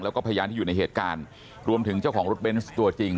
แล้วก็พยานที่อยู่ในเหตุการณ์รวมถึงเจ้าของรถเบนส์ตัวจริง